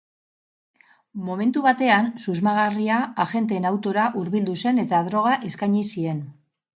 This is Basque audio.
Momentu batean, susmagarria agenteen autora hurbildu zen eta droga eskaini zien.